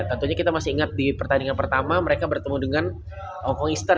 tentunya kita masih ingat di pertandingan pertama mereka bertemu dengan kongistan